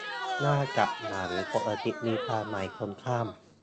"หน้า" กับ "หลัง" ปกติมีความหมายตรงข้าม